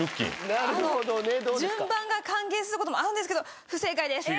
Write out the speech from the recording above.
順番が関係することもあるんですけど不正解です。